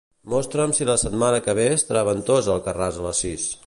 Mostra'm si la setmana que ve estarà ventós a Alcarràs a les sis.